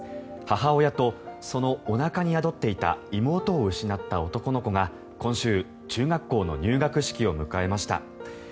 母親とそのおなかに宿っていた妹を失った男の子が今週、中学校の入学式を迎えました。